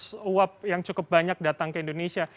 sepertinya ada arus uap yang cukup banyak datang ke indonesia